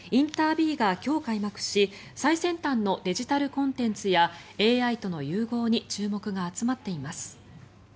ＩｎｔｅｒＢＥＥが今日開幕し最先端のデジタルコンテンツやＡＩとの融合に注目が集まっています。